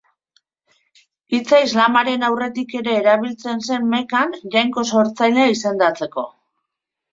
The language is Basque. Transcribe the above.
Hitza islamaren aurretik ere erabiltzen zen Mekan, jainko sortzailea izendatzeko.